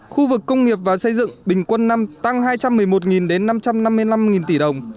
khu vực công nghiệp và xây dựng bình quân năm tăng hai trăm một mươi một đến năm trăm năm mươi năm tỷ đồng